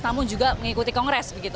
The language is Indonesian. namun juga mengikuti kongres